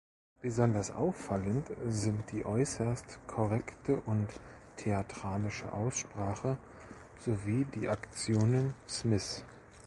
Besonders auffallend sind die äußerst korrekte und theatralische Aussprache sowie die Aktionen Smiths.